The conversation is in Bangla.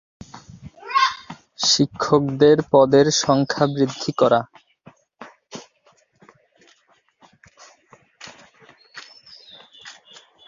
শিক্ষকদের পদের সংখ্যা বৃদ্ধি করা।